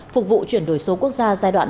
phục vụ chuyển đổi số quốc gia giai đoạn